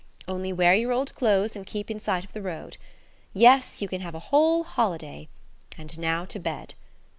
Only wear your old clothes, and always keep in sight of the road. "Yes; you can have a whole holiday. And now to bed.